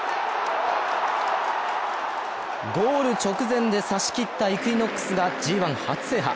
ゴール直前で差し切ったイクイノックスがＧⅠ初制覇。